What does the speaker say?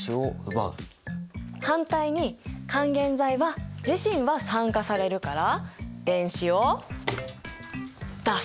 反対に還元剤は自身は酸化されるから電子を出す。